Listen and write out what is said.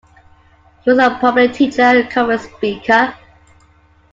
He was a prominent teacher and conference speaker.